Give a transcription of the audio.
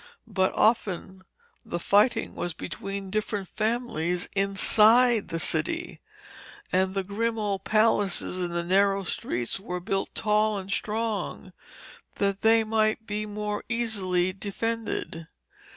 But often the fighting was between different families inside the city, and the grim old palaces in the narrow streets were built tall and strong that they might be the more easily defended.